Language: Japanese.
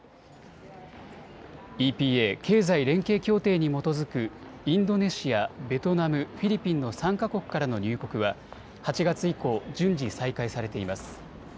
ＥＰＡ＝経済連携協定に基づくインドネシア、ベトナムフィリピンの３か国からの入国は８月以降順次再開されています。